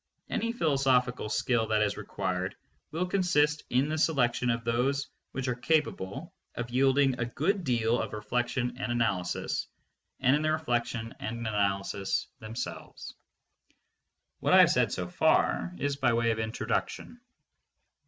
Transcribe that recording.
Any philosophical skill, that is required will consist in the selection of those which are capable of yielding a good deal of reflection and analysis, and in the reflection and analysis themselves. What I have said so far is by way of introduction.